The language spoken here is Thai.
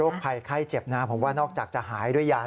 ภัยไข้เจ็บนะผมว่านอกจากจะหายด้วยยา